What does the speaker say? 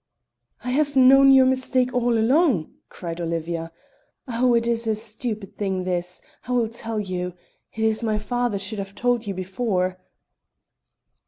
"I have known your mistake all along," cried Olivia. "Oh! it is a stupid thing this. I will tell you! It is my father should have told you before."